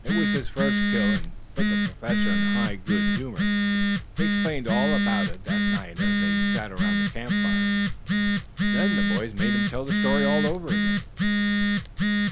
It was his first kill and put the Professor in high good humor. He explained all about it that night as they sat around the camp fire. Then the boys made him tell the story over again.